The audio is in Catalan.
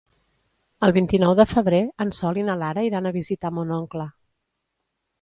El vint-i-nou de febrer en Sol i na Lara iran a visitar mon oncle.